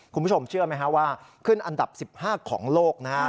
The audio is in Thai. คุณผู้ชมเชื่อไหมว่าขึ้นอันดับ๑๕ของโลก